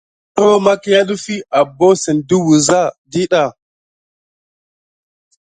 Koro makia ɗefi abosune de wuza ɗiɗa.